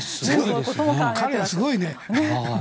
彼はすごいね。